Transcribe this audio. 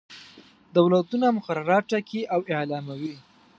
دولتونه مقررات ټاکي او اعلاموي.